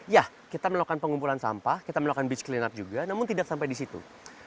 ya kita melakukan pengumpulan sampah kita melakukan beach clean up juga namun tidak sampai di situ